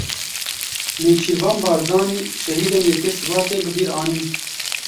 Nêçîrvan Barzanî şehîdên yekê Sibatê bi bîr anîn.